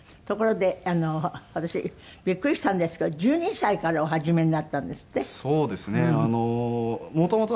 ところで私びっくりしたんですけど１２歳からお始めになったんですって？